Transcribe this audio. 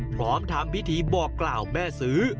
พร้อมทำพิธีบอกกล่าวแม่ซื้อ